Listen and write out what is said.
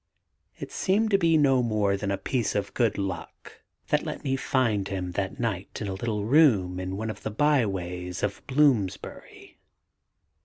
It seemed to be no more than a piece of good luck that let me find him that night in a little room in one of the by ways of Bloomsbury.